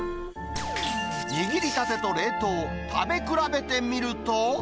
握りたてと冷凍、食べ比べてみると。